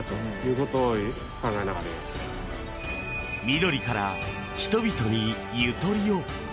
緑から、人々にゆとりを。